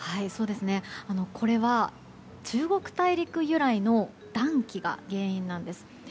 これは、中国大陸由来の暖気が原因なんです。